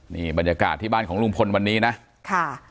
นี่บรรยากาศที่บ้านของลุงพลวันนี้นะค่ะ